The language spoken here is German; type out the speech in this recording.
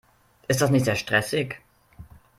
Ist das nicht sehr stressig?